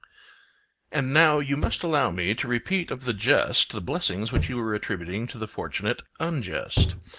And now you must allow me to repeat of the just the blessings which you were attributing to the fortunate unjust.